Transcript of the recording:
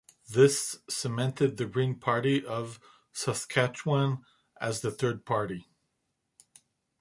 This cemented the Green Party of Saskatchewan as the Third Party.